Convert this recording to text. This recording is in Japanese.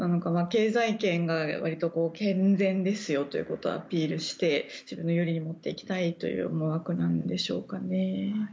経済圏がわりと健全ですよということをアピールして有利に持っていきたいという思惑なんですかね。